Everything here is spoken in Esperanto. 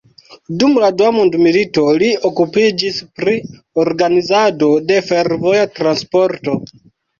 Dum la Dua mondmilito li okupiĝis pri organizado de fervoja transporto.